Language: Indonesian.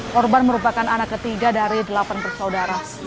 korban merupakan anak ketiga dari delapan bersaudara